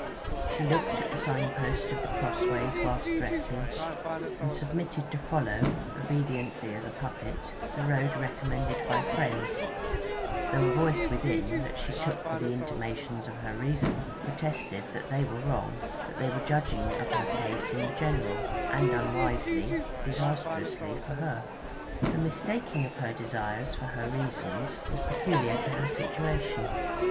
She looked at the signpost of The Crossways whilst dressing, and submitted to follow, obediently as a puppet, the road recommended by friends, though a voice within, that she took for the intimations of her reason, protested that they were wrong, that they were judging of her case in the general, and unwisely disastrously for her. The mistaking of her desires for her reasons was peculiar to her situation.